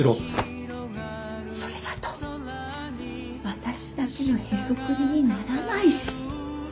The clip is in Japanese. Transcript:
それだと私だけのへそくりにならないし。